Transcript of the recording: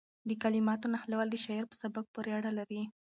د کلماتو نښلول د شاعر په سبک پورې اړه لري.